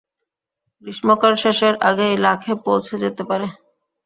গ্রীষ্মকাল শেষের আগেই লাখে পৌঁছে যেতে পারে।